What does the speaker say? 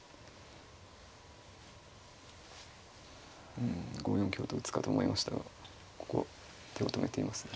うん５四香と打つかと思いましたがここは手を止めていますね。